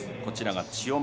千代丸。